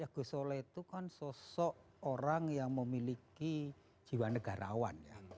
gusola itu kan sosok orang yang memiliki jiwa negarawan